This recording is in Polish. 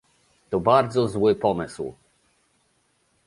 To bardzo zły pomysł